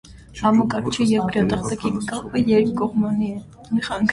Համակարգչի և գրատախտակի կապը երկկողմանի է։